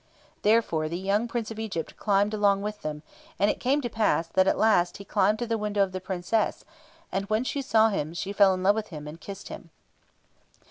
Therefore the young Prince of Egypt climbed along with them, and it came to pass that at last he climbed to the window of the Princess; and when she saw him, she fell in love with him, and kissed him.